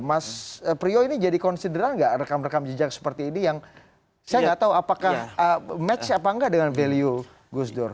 mas priyo ini jadi konsideran nggak rekam rekam jejak seperti ini yang saya nggak tahu apakah match apa enggak dengan value gus dur